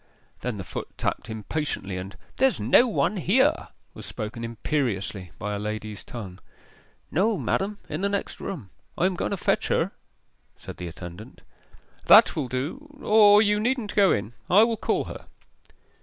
Then the foot tapped impatiently, and 'There's no one here!' was spoken imperiously by a lady's tongue. 'No, madam; in the next room. I am going to fetch her,' said the attendant. 'That will do or you needn't go in; I will call her.